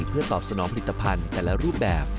เพื่อตอบสนองผลิตภัณฑ์แต่ละรูปแบบ